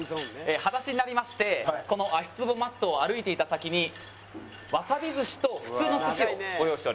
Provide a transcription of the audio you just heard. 裸足になりましてこの足つぼマットを歩いていった先にワサビ寿司と普通の寿司をご用意しております。